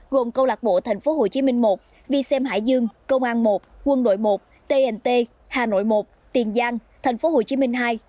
gồm câu lạc bộ tp hcm một vi xem hải dương công an một quân đội một tnt hà nội một tiền giang tp hcm hai